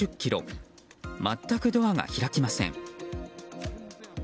全くドアが開きません。